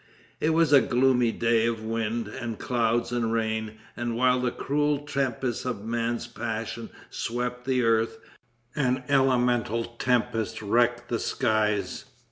It was a gloomy day of wind, and clouds and rain; and while the cruel tempest of man's passion swept the earth, an elemental tempest wrecked the skies.